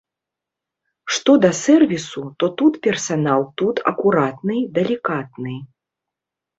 Што да сэрвісу, то тут персанал тут акуратны, далікатны.